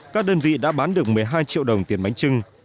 các đơn vị đã bán được một mươi hai triệu đồng tiền bánh trưng